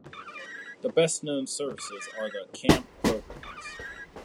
The best-known services are the camp programs.